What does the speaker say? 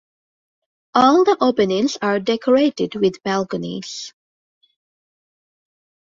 All the openings are decorated with balconies.